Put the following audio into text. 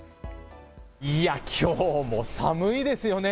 いやあ、きょうも寒いですよね。